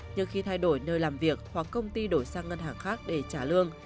nhưng khi thay đổi nơi làm việc hoặc công ty đổi sang ngân hàng khác để trả lương